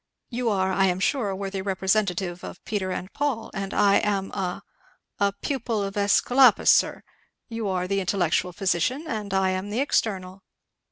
You are, I am sure, a worthy representative of Peter and Paul; and I am a a pupil of Esculapus, sir! You are the intellectual physician, and I am the external."